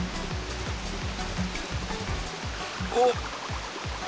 おっ！